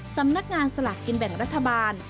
สำนักงานสลากกินแบ่งรัฐบาล